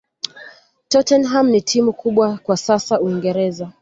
tottenham ni timu kubwa kwa sasa uingereza